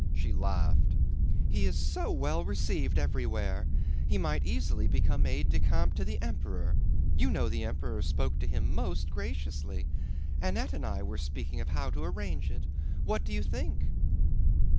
She laughed. "He is so well received everywhere. He might easily become aide de camp to the Emperor. You know the Emperor spoke to him most graciously. Annette and I were speaking of how to arrange it. What do you think?"